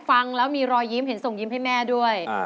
ฟังแล้วมีรอยยิ้มเห็นส่งยิ้มให้แม่ด้วย